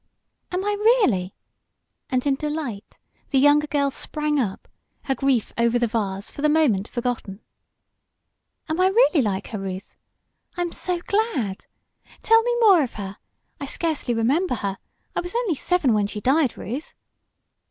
"Am I, really?" and in delight the younger girl sprang up, her grief over the vase for the moment forgotten. "Am I really like her, Ruth? I'm so glad! Tell me more of her. I scarcely remember her. I was only seven when she died, Ruth."